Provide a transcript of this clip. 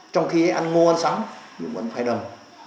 trong khi ăn ngô ăn sắm nhưng vẫn phải đầm